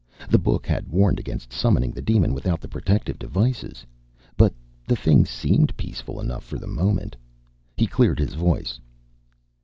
The book had warned against summoning the demon without the protective devices! But the thing seemed peaceful enough for the moment. He cleared his voice.